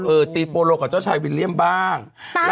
ตีโปโลกับเจ้าชายวิลเลี่ยมบ้าง